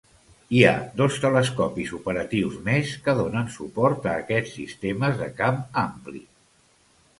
Hi ha dos telescopis operatius més que donen suport a aquests sistemes de camp ampli.